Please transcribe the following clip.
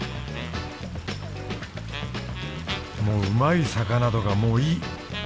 もううまい魚とかもういい！